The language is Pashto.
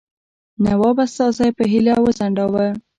نواب استازی په هیله وځنډاوه.